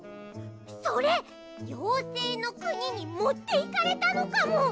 それようせいのくににもっていかれたのかも！